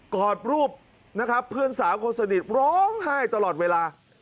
กอดรูปนะครับเพื่อนสาวคนสนิทร้องไห้ตลอดเวลา